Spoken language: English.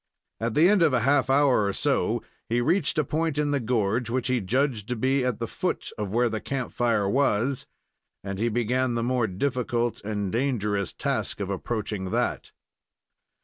At the end of a half hour or so, he reached a point in the gorge which he judged to be at the foot of where the camp fire was, and he began the more difficult and dangerous task of approaching that.